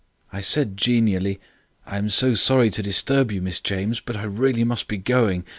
"I said genially, 'I am so sorry to disturb you, Miss James, but I must really be going.